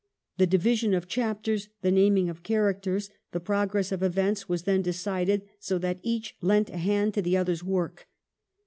The division of chapters, the naming of characters, the' progress of events, was then decided, so that each lent a hand to the other's work.